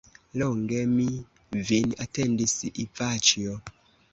Longe mi vin atendis, Ivaĉjo!